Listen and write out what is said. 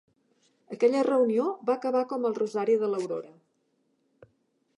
Aquella reunió va acabar com el rosari de l'aurora.